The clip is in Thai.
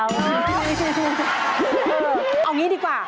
เออเอาอย่างนี้ดีกว่า